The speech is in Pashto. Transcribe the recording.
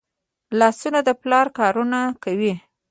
لاسونه د پلار کارونه کوي